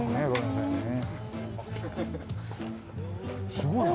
すごいな。